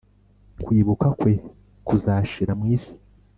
kwibukwa kwe kuzashira mu isi,